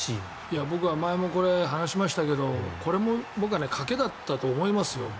僕は前もこれ話しましたけどこれも僕は賭けだったと思いますよ。